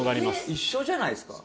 一緒じゃないですか？